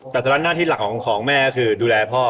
แต่ตอนนั้นหน้าที่หลักของแม่ก็คือดูแลพ่อ